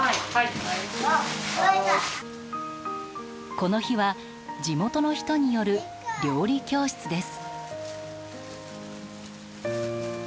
この日は地元の人による料理教室です。